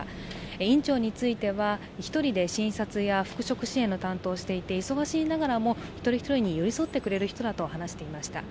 院長については、１人で診察や復職支援を担当していて忙しいながらも一人一人に寄り添ってくれる人だと話してくださいました。